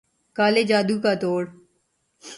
کالے جادو کا توڑ